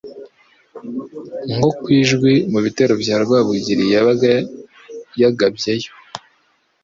nko ku Ijwi mu bitero bya Rwabugili yabaga yagabyeyo.